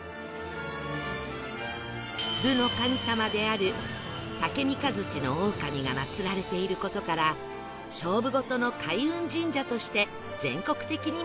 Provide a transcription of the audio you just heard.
武の神様である武甕槌大神が祭られている事から勝負事の開運神社として全国的にも有名で